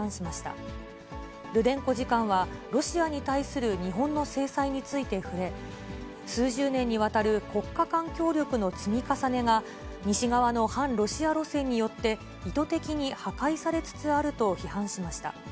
次官は、ロシアに対する日本の制裁について触れ、数十年にわたる国家間協力の積み重ねが、西側の反ロシア路線によって、意図的に破壊されつつあると批判しました。